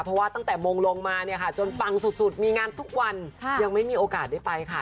เพราะว่าตั้งแต่มงลงมาเนี่ยค่ะจนปังสุดมีงานทุกวันยังไม่มีโอกาสได้ไปค่ะ